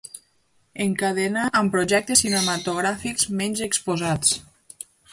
Encadena amb projectes cinematogràfics menys exposats.